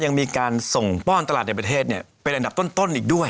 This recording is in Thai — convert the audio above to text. ยังมีการส่งป้อนตลาดในประเทศเป็นอันดับต้นอีกด้วย